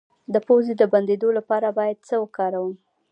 د پوزې د بندیدو لپاره باید څه وکاروم؟